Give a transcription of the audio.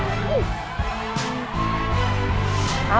เอาตูนปิดฝา